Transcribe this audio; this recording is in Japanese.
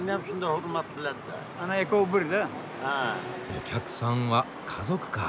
お客さんは家族か。